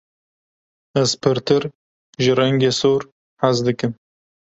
Ez pirtir ji rengê sor hez dikim.